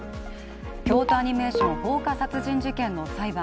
京都アニメーション放火殺人事件の裁判。